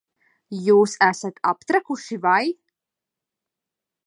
Jūs esat aptrakuši, vai?